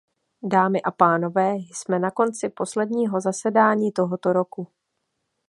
Dámy a pánové, jsme na konci posledního zasedání tohoto roku.